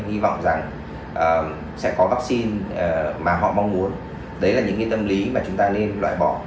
hy vọng rằng sẽ có vaccine mà họ mong muốn đấy là những cái tâm lý mà chúng ta nên loại bỏ